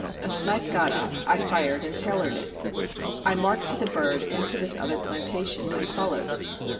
A snipe got up, I fired, and tailored it. I marked the bird into this other plantation, and followed.